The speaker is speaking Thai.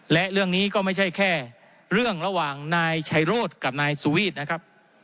และเรื่องนี้ก็ไม่ใช่แค่เรื่องระหว่างนายชัยโรธกับนายสุวีทนะครับ